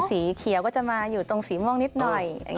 สีเขียวก็จะมาอยู่ตรงสีม่วงนิดหน่อย